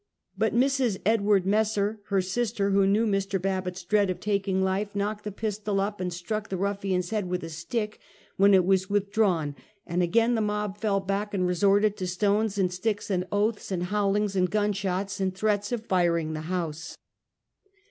But Mrs. Edward Messer, her sister, who knew Mr. Babbitt's dread of taking life, knocked the pistol up and struck the rufiian's head with a stick, when it was withdrawn, and again the mob fell back and resorted to stones and sticks and oaths and bowlings and gun shots, and threats of firing the house.